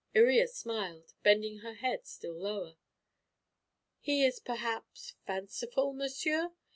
Iría smiled, bending her head still lower. "He is perhaps fanciful, monsieur?